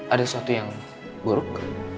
ada sesuatu yang buruk